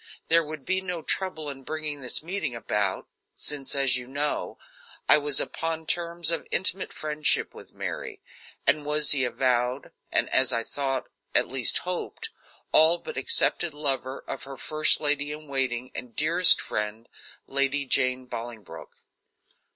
There would be no trouble in bringing this meeting about, since, as you know, I was upon terms of intimate friendship with Mary, and was the avowed, and, as I thought, at least hoped, all but accepted lover of her first lady in waiting and dearest friend, Lady Jane Bolingbroke.